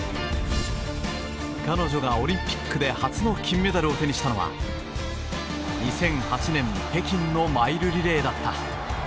彼女がオリンピックで初の金メダルを手にしたのは２００８年北京のマイルリレーだった。